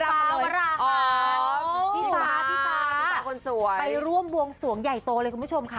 พี่ฟ้าพี่ฟ้าไปร่วมบวงสวงใหญ่โตเลยคุณผู้ชมค่ะ